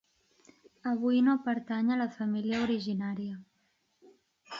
Avui no pertany a la família originària.